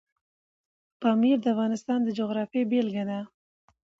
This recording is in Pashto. پامیر د افغانستان د جغرافیې بېلګه ده.